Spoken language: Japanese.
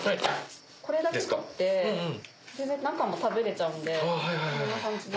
これだけ取って中も食べれちゃうんでこんな感じで。